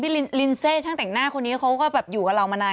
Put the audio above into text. ลินเซช่างแต่งหน้าคนนี้เขาก็แบบอยู่กับเรามานาน